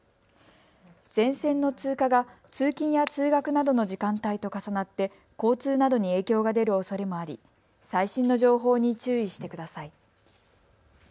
前線の通過が通勤や通学などの時間帯と重なって交通などに影響が出るおそれもあり最新の情報に注意してください。